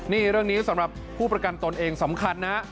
นี่เรื่องนี้สำหรับผู้ประกันตนเองสำคัญนะ